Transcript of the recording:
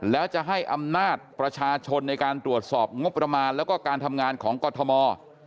แล้วจะให้อำนาจประชาชนในการตรวจสอบงบประมาณแล้วก็การทำงานของกรทม